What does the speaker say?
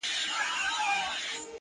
پر کلیو، پر ښارونو یې ځالۍ دي غوړولي٫